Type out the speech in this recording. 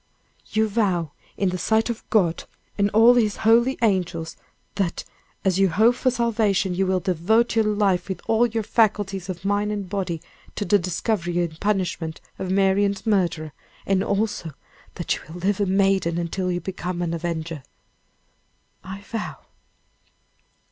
"You vow in the sight of God and all his holy angels, that, as you hope for salvation, you will devote your life with all your faculties of mind and body, to the discovery and punishment of Marian's murderer; and also that you will live a maiden until you become and avenger." "I vow."